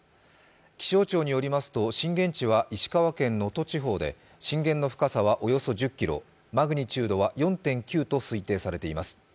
気象庁によりますと、震源地は石川県能登地方で震源の深さはおよそ１０ｋｍ、マグニチュードは４．９と推定されています。